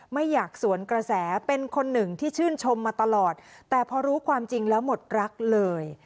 ไม่อยากสวนกระแสเป็นคนหนึ่งที่ชื่นชมมาตลอดแต่พอรู้ความจริงแล้วหมดรักเลย